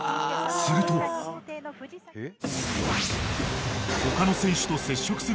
［すると］えっ。